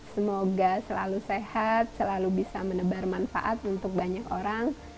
semoga selalu sehat selalu bisa menebar manfaat untuk banyak orang